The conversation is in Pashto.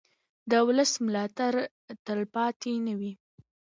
د ولس ملاتړ تلپاتې نه وي